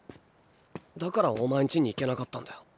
だからお前んちに行けなかったんだよ。